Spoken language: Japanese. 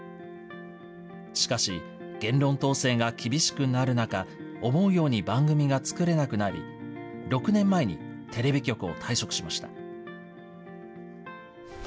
しかし、言論統制が厳しくなる中、思うように番組が作れなくなり、６年前にテレビ局を退職しました。